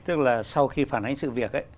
tức là sau khi phản ánh sự việc